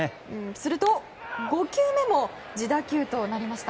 すると、５球目も自打球となりました。